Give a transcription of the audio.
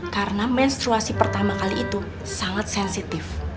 karena menstruasi pertama kali itu sangat sensitif